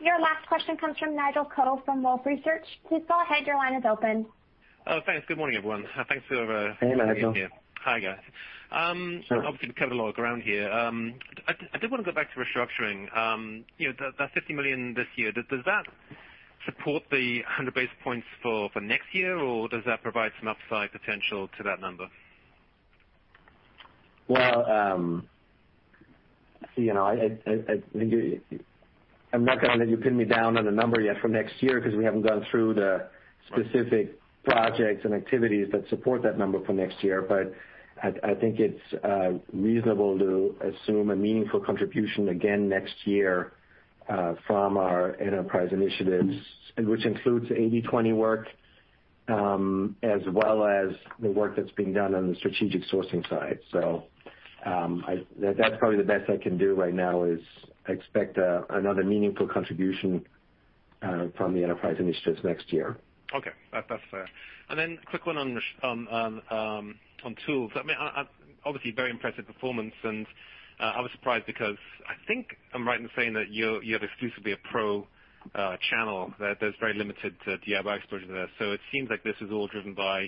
Your last question comes from Nigel Coe from Wolfe Research. Please go ahead. Your line is open. Oh, thanks. Good morning, everyone. Thanks for... Hey, Nigel. Hi, guys. Obviously, we've covered a lot of ground here. I did want to go back to restructuring. That $50 million this year, does that support the 100 basis points for next year, or does that provide some upside potential to that number? I think I'm not going to let you pin me down on the number yet for next year because we haven't gone through the specific projects and activities that support that number for next year. I think it's reasonable to assume a meaningful contribution again next year from our enterprise initiatives, which includes the 80/20 work as well as the work that's being done on the strategic sourcing side. That's probably the best I can do right now is expect another meaningful contribution from the enterprise initiatives next year. Okay. That's fair. And then a quick one on tools. I mean, obviously, very impressive performance. I was surprised because I think I'm right in saying that you have exclusively a pro channel. There's very limited DIY exposure there. It seems like this is all driven by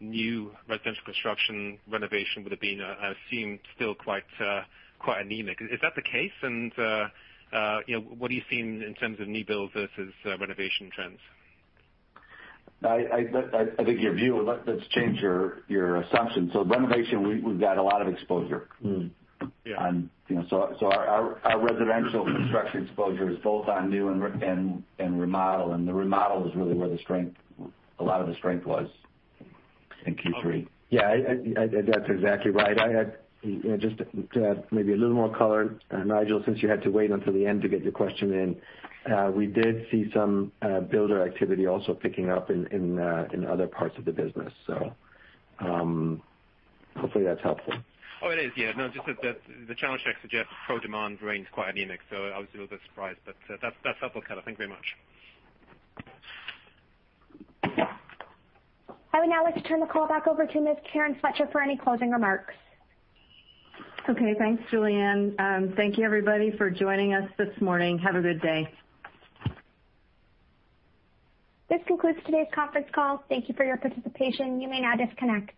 new residential construction renovation with a beam, I assume, still quite anemic. Is that the case? What do you see in terms of new builds versus renovation trends? I think your view—let's change your assumption. Renovation, we've got a lot of exposure. Our residential construction exposure is both on new and remodel. The remodel is really where a lot of the strength was in Q3. Yeah. That's exactly right. Just to add maybe a little more color, Nigel, since you had to wait until the end to get your question in, we did see some builder activity also picking up in other parts of the business. Hopefully, that's helpful. Oh, it is. Yeah. No, just that the channel checks suggest pro demand remains quite anemic. I was a little bit surprised. That's helpful. Thank you very much. I would now like to turn the call back over to Ms. Karen Fletcher for any closing remarks. Okay. Thanks, Julian. Thank you, everybody, for joining us this morning. Have a good day. This concludes today's conference call. Thank you for your participation. You may now disconnect.